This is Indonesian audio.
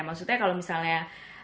maksudnya kalau misalnya